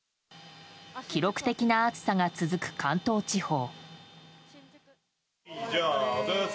記録的な暑さが続く関東地方。